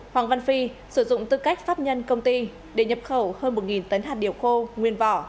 hoàng văn phi sử dụng tư cách pháp nhân công ty để nhập khẩu hơn một tấn hạt điều khô nguyên vỏ